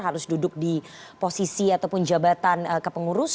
harus duduk di posisi ataupun jabatan kepengurus